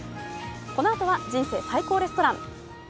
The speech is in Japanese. このあとは「人生最高レストラン」。